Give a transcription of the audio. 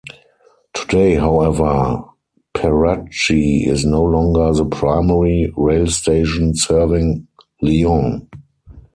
Today, however, Perrache is no longer the primary rail station serving Lyon.